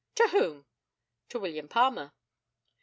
To whom? To William Palmer.